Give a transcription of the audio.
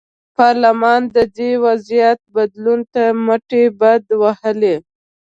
پارلمان د دې وضعیت بدلون ته مټې بډ وهلې.